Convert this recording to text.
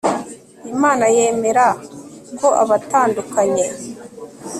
imana yemera ko abatandukanye